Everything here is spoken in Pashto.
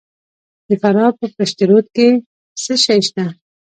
د فراه په پشت رود کې څه شی شته؟